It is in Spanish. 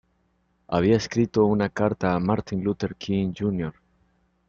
Había escrito una carta a Martin Luther King, Jr.